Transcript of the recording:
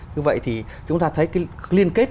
như vậy thì chúng ta thấy cái liên kết